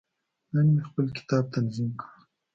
نن مې خپل کتاب تنظیم کړ.